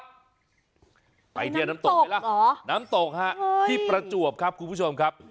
น้ำตกหรอน้ำตกฮะที่ประจวบครับคุณผู้ชมครับ